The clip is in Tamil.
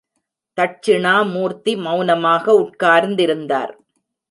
தட்சிணாமூர்த்தி மௌனமாக உட்கார்ந்திருந்தார்!